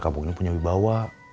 akan kampung ini punya bibawah